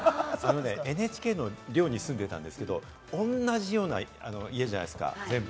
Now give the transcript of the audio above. ＮＨＫの寮に住んでたんですけど、同じような家じゃないですか、全部。